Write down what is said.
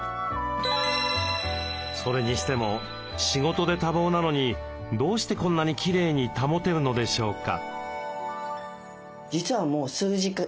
それにしても仕事で多忙なのにどうしてこんなにきれいに保てるのでしょうか？